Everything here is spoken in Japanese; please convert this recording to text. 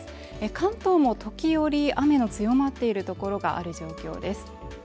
関東も時折雨の強まっているところがある状況です。